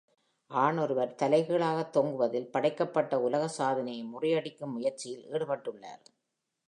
ஆண் ஒருவர் தலைக்கீழாக தொங்குவதில் படைக்கப்பட்ட உலக சாதனையை முறியடிக்கும் முயற்சியில் ஈடுபட்டுள்ளார்.